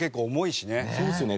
そうですよね。